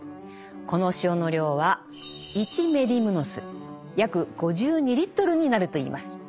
この塩の量は１メディムノス約５２リットルになるといいます。